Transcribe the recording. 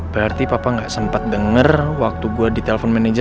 gak apa kok